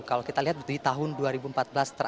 kalau kita lihat di tahun dua ribu empat belas